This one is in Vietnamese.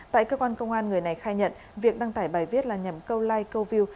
tại cơ quan công an người này khai nhận việc đăng tải bài viết là nhằm câu like câu view